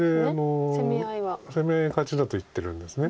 攻め合い勝ちだと言ってるんです。